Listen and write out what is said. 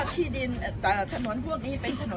ไม่ใช่ค่ะไม่ใช่อ่าเรามาสร้างบ้านก่อนสลาดนะคะแล้วก็ที่ดินอ่า